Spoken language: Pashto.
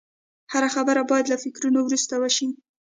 هره خبره باید له فکرو وروسته وشي